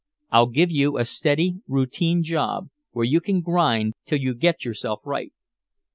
"I'll give you a steady routine job where you can grind till you get yourself right."